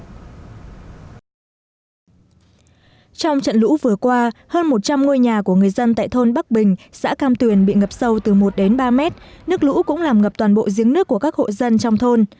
trong trận lũ vừa qua hơn một trăm linh ngôi nhà của người dân tại thôn bắc bình xã cam tuyền bị ngập sâu từ một đến ba mét nước lũ cũng làm ngập toàn bộ giếng nước của các hộ dân trong thôn